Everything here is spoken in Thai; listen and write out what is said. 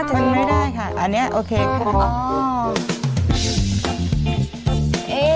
ทนไม่ได้ค่ะอันนี้โอเคค่ะ